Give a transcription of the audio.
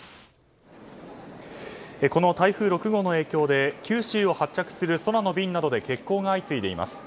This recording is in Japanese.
この台風６号の影響で九州を発着する空の便などで欠航が相次いでいます。